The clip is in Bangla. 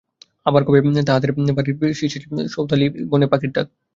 আবার কবে তাহদের বাড়ির ধারের শিরীষ সৌদালি বনে পাখির ডাক?